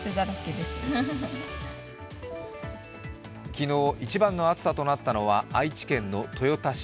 昨日、一番の暑さとなったのは愛知県の豊田市。